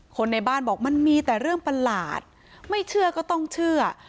คนในบ้านบอกมันมีแต่เรื่องประหลาดไม่เชื่อก็ต้องเชื่อ